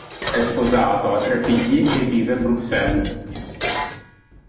È sposato, ha tre figli e vive a Bruxelles.